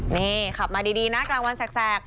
นี่ขับมาดีนะกลางวันแสก